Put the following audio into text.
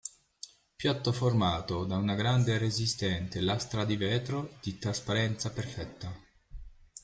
piatto formato da una grande e resistente lastra di vetro di trasparenza perfetta